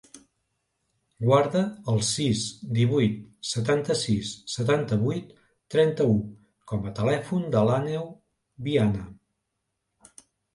Guarda el sis, divuit, setanta-sis, setanta-vuit, trenta-u com a telèfon de l'Àneu Viana.